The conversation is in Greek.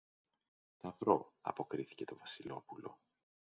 Θα βρω, αποκρίθηκε το Βασιλόπουλο.